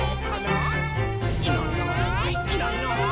「いないいないいないいない」